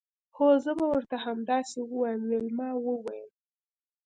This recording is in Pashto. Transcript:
هو زه به ورته همداسې ووایم ویلما وویل